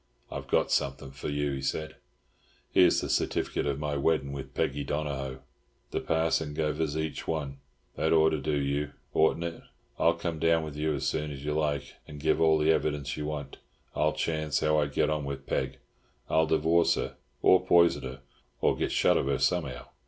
"I've got something for you," he said. "Here's the certificate of my weddin' with Peggy Donohoe. The parson gev us each one. That ought to do you, oughtn't it? I'll come down with you, as soon as you like, and give all the evidence you want. I'll chance how I get on with Peg. I'll divorce her, or poison her, or get shut of her somehow.